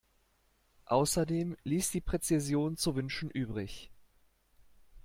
Außerdem ließ die Präzision zu wünschen übrig.